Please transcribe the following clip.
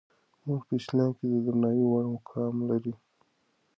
مور په اسلام کې د درناوي وړ مقام لري.